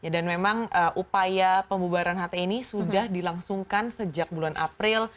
memang upaya pembubaran hti ini sudah dilangsungkan sejak bulan april